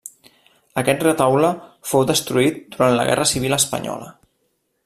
Aquest retaule fou destruït durant la Guerra Civil espanyola.